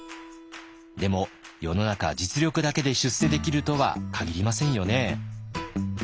でも世の中実力だけで出世できるとは限りませんよね。